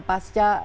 pasca di arab saudi